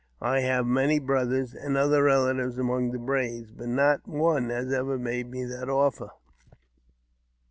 I have many brothers and other relatives among the braves, but not one has ever made me that offer."